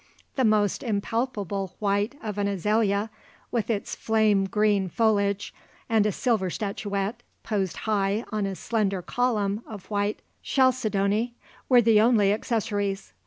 The almost impalpable white of an azalea with its flame green foliage, and a silver statuette, poised high on a slender column of white chalcedony, were the only accessories.